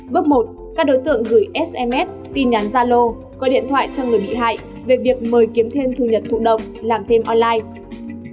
bước một các đối tượng gửi sms tin nhắn zalo gọi điện thoại cho người bị hại về việc mời kiếm thêm thu nhật thụ độc làm thêm online